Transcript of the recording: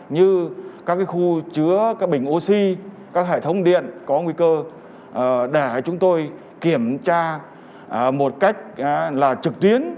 như các khu chứa các bình oxy các hệ thống điện có nguy cơ để chúng tôi kiểm tra một cách là trực tuyến